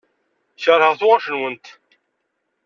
Keṛheɣ tuɣac-nwent.